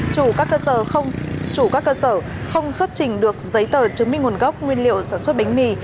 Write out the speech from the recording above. chủ các cơ sở không xuất trình được giấy tờ chứng minh nguồn gốc nguyên liệu sản xuất bánh mì